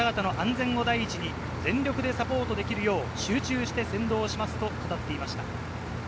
選手の方々の安全を第一に全力でサポートできるよう、集中して先導しますとうたっていました。